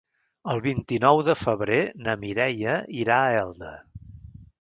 El vint-i-nou de febrer na Mireia irà a Elda.